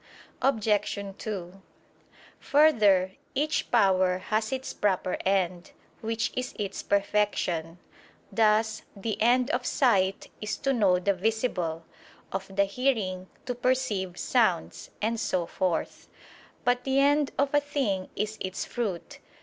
Obj. 2: Further, each power has its proper end, which is its perfection: thus the end of sight is to know the visible; of the hearing, to perceive sounds; and so forth. But the end of a thing is its fruit.